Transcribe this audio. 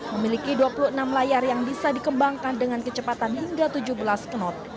memiliki dua puluh enam layar yang bisa dikembangkan dengan kecepatan hingga tujuh belas knot